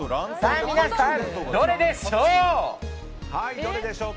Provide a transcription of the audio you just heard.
皆さん、どれでしょう？